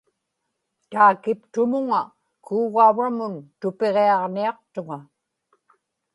taakiptumuŋa kuugauramun tupiġiaġniaqtuŋa